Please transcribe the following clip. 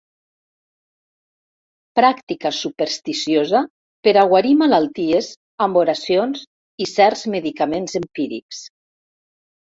Pràctica supersticiosa per a guarir malalties amb oracions i certs medicaments empírics.